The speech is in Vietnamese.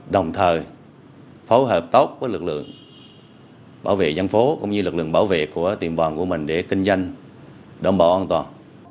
đồng thời phối hợp tốt với lực lượng bảo vệ dân phố cũng như lực lượng bảo vệ của tiệm vàng của mình để kinh doanh đảm bảo an toàn